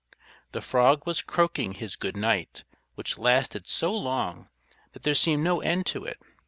The frog was croaking his "good night," which lasted so long that there seemed no end to it.